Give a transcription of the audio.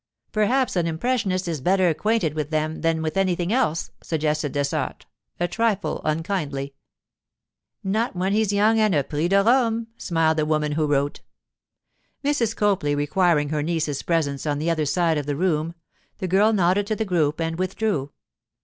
'Perhaps an impressionist is better acquainted with them than with anything else,' suggested Dessart, a trifle unkindly. 'Not when he's young and a Prix de Rome,' smiled the woman who wrote. Mrs. Copley requiring her niece's presence on the other side of the room, the girl nodded to the group and withdrew.